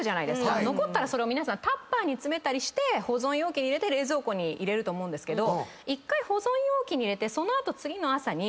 残ったらそれを皆さんタッパーに詰めたりして保存容器に入れて冷蔵庫に入れると思うんですけど。